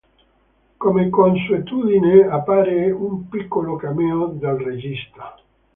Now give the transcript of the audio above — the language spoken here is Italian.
Come consuetudine appare un piccolo cameo del regista.